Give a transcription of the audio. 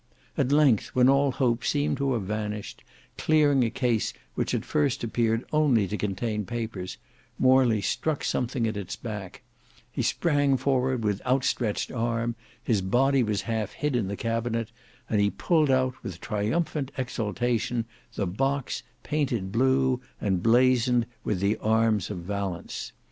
At length when all hope seemed to have vanished, clearing a case which at first appeared only to contain papers, Morley struck something at its back; he sprang forward with outstretched arm, his body was half hid in the cabinet, and he pulled out with triumphant exultation the box, painted blue and blazoned with the arms of Valence.